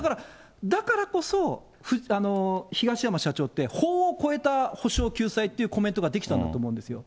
だからこそ、東山社長って、法を超えた補償、救済っていうコメントができたんだと思うんですよ。